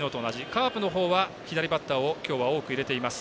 カープの方は左バッターを今日は多く入れています。